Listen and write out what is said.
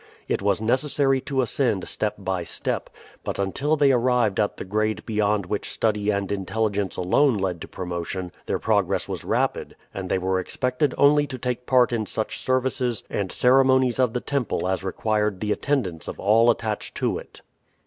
It was necessary to ascend step by step; but until they arrived at the grade beyond which study and intelligence alone led to promotion, their progress was rapid, and they were expected only to take part in such services and ceremonies of the temple as required the attendance of all attached to it.